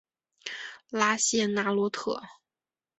拉谢纳洛特。